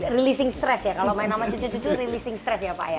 releasing stress ya kalau main sama cucu cucu releasing stress ya pak ya